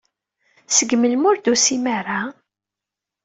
Seg melmi ur d-tusim ara?